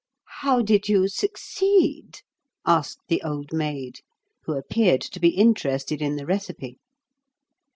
"How did you succeed?" asked the Old Maid, who appeared to be interested in the recipe.